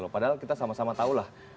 padahal kita sama sama tahu lah